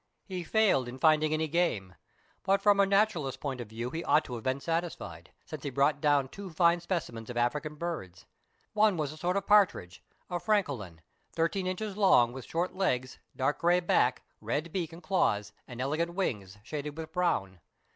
lie failed in finding any game, but from a naturalist's point of view he ought to have been satisfied, since he brought down two fine specimens of African birds. One was a kind of partridge, a francolin, thirteen inches long, with short legs, dark grey back, red beak and claws, and elegant wings, shaded with brown.